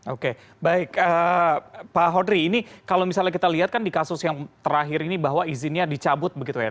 oke baik pak hodri ini kalau misalnya kita lihat kan di kasus yang terakhir ini bahwa izinnya dicabut begitu ya